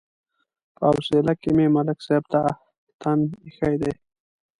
په حوصله کې مې ملک صاحب ته تن ایښی دی.